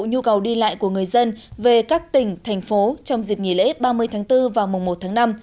nhu cầu đi lại của người dân về các tỉnh thành phố trong dịp nghỉ lễ ba mươi tháng bốn và mùa một tháng năm